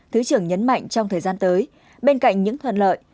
thứ trưởng nhấn mạnh trong thời gian tới bên cạnh những thuận lợi